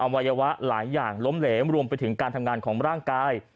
วัยวะหลายอย่างล้มเหลวรวมไปถึงการทำงานของร่างกาย